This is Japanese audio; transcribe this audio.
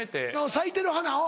咲いてる花おう。